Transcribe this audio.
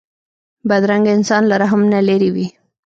بدرنګه انسان له رحم نه لېرې وي